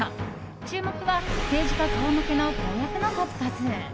注目は、政治家顔負けの公約の数々。